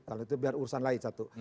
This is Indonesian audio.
kalau itu biar urusan lain satu